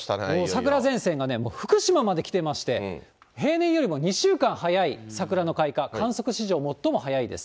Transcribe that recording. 桜前線がもう福島まで来てまして、平年よりも２週間早い桜の開花、観測史上最も早いです。